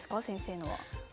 先生のは。